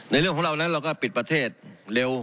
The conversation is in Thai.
เรื่องของเรานั้นเราก็ปิดประเทศเร็ว